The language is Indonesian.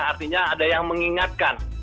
artinya ada yang mengingatkan